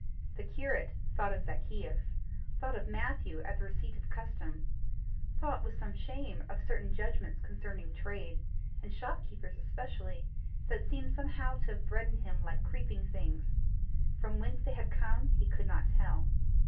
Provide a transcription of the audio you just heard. The curate thought of Zacchaeus; thought of Matthew at the receipt of custom; thought with some shame of certain judgments concerning trade, and shopkeepers especially, that seemed somehow to have bred in him like creeping things for whence they had come he could not tell.